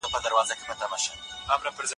انسان هله په دې پوه سي